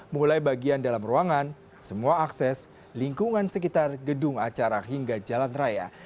mulai bagian dalam ruangan semua akses lingkungan sekitar gedung acara hingga jalan raya